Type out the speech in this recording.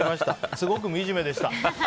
すごくみじめでした。